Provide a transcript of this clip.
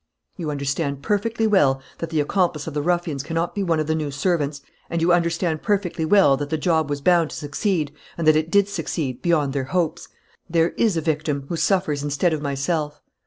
"You understand perfectly well that the accomplice of the ruffians cannot be one of the new servants, and you understand perfectly well that the job was bound to succeed and that it did succeed, beyond their hopes. There is a victim, who suffers instead of myself."